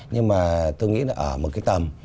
nhưng mà tôi nghĩ là ở một cái tầm